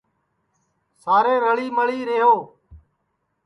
سارے رݪی مِݪی ریہو